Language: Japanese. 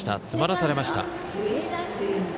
詰まらされました。